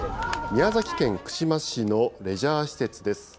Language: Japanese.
宮崎県串間市のレジャー施設です。